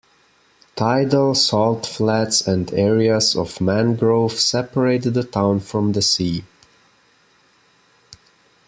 Tidal salt flats and areas of mangrove separate the town from the sea.